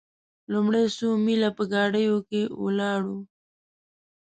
لومړي څو میله په ګاډیو کې ولاړو.